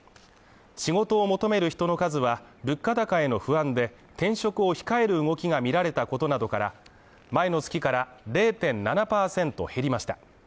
仕事を求める人の数は、物価高への不安で転職を控える動きが見られたことなどから、前の月から０．７％減りました。